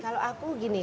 kalau aku gini